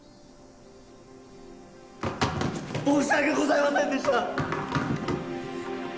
申し訳ございませんでした！